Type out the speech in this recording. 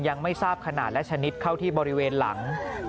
ยังไม่ทราบขนาดและชนิดเข้าที่บริเวณหลัง